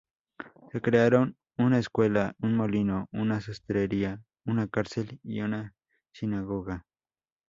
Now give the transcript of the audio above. Se crearon una escuela, un molino, una sastrería, una cárcel y una sinagoga.